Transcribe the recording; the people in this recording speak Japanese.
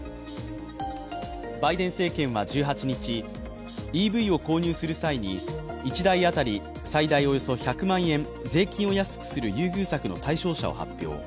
バイデン政権は１８日、ＥＶを購入する際に１台あたり最大およそ１００万円税金を安くする優遇策の対象車を発表。